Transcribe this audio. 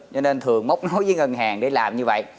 cho nên thường mốc nối với ngân hàng để làm như vậy